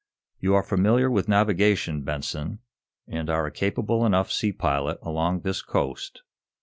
"You are familiar with navigation, Benson, and are a capable enough sea pilot along this coast.